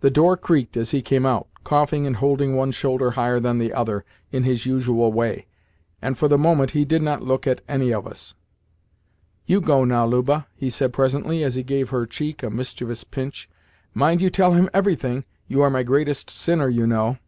The door creaked as he came out, coughing and holding one shoulder higher than the other, in his usual way, and for the moment he did not look at any of us. "YOU go now, Luba," he said presently, as he gave her cheek a mischievous pinch. "Mind you tell him everything. You are my greatest sinner, you know."